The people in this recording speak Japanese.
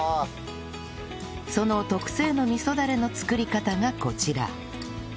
その特製の味噌ダレの作り方がこちら